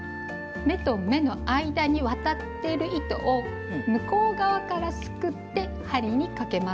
目と目の間に渡ってる糸を向こう側からすくって針にかけます。